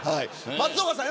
松岡さん